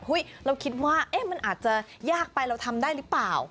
เราคิดว่ามันอาจจะยากไปเราทำได้หรือเปล่า